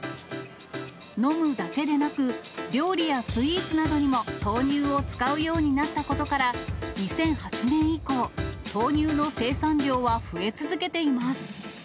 飲むだけでなく、料理やスイーツなどにも豆乳を使うようになったことから、２００８年以降、豆乳の生産量は増え続けています。